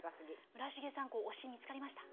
村重さん推し見つかりました？